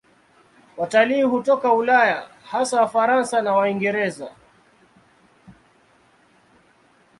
Watalii hutoka Ulaya, hasa Wafaransa na Waingereza.